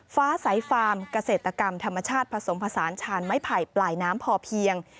ฟ้าสายฟาร์มเกษตรกรรมธรรมชาติผสมผสานชานไม้ไผ่ปลายน้ำพอเพียง